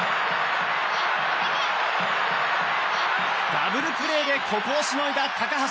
ダブルプレーでここをしのいだ高橋。